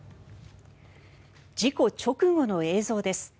事故直後の映像です。